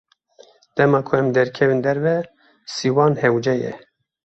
Dema ku em derkevin derve, sîwan hewce ye.